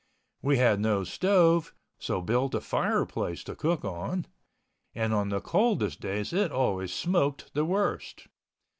We had no stove, so built a fireplace to cook on—and on the coldest days it always smoked the worst.